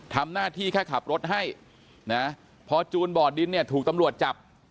ทำหน้าที่แค่ขับรถให้นะพอจูนบ่อดินเนี่ยถูกตำรวจจับ